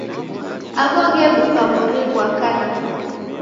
Agho ghebuka mori ghwa kana.